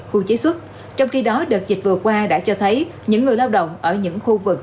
khu chế xuất trong khi đó đợt dịch vừa qua đã cho thấy những người lao động ở những khu vực